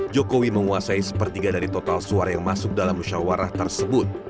jokowi menguasai sepertiga dari total suara yang masuk dalam musyawarah tersebut